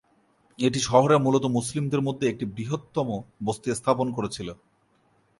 এটি শহরে মূলত মুসলিমদের মধ্যে একটি বৃহত্তম বস্তি স্থাপন করেছিল।